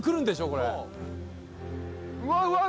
これうわっうわっ